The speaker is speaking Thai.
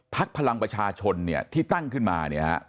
ภักดีผลังประชาชนที่ตั้งขึ้นมา